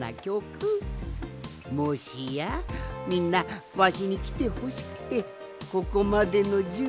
もしやみんなわしにきてほしくてここまでのじゅんびを。